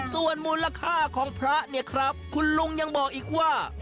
ส่วนมูลค่าของพระเนี่ยครับคุณลุงยังบอกอีกว่า